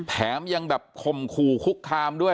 แถมยังคมคู่คุกคามด้วย